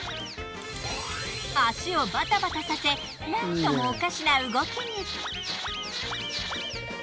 足をバタバタさせなんともおかしな動きに。